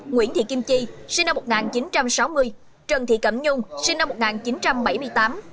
nguyễn thị kim chi sinh năm một nghìn chín trăm sáu mươi trần thị cẩm nhung sinh năm một nghìn chín trăm bảy mươi tám